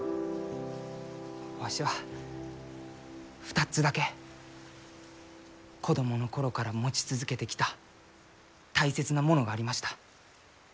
わしは２つだけ子供の頃から持ち続けてきた大切なものがありました。